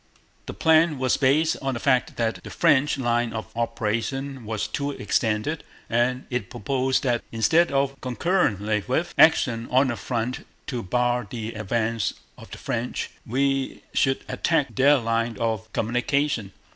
The plan was based on the fact that the French line of operation was too extended, and it proposed that instead of, or concurrently with, action on the front to bar the advance of the French, we should attack their line of communication.